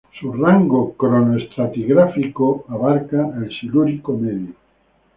Su rango cronoestratigráfico abarca el Silúrico medio.